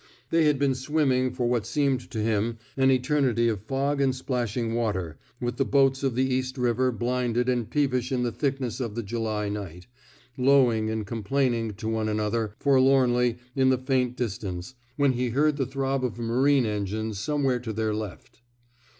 They had been swimming for what seemed to him an eternity of fog and splashing water — with the boats of the East River, blinded and peevish in the thickness of the July night, lowing and complaining to one another forlornly in the faint distance — when he heard the throb of marine engines somewhere to their left.